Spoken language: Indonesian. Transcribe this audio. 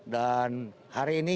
dan hari ini